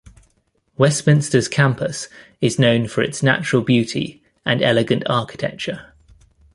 Westminster's Campus is known for its natural beauty and elegant architecture.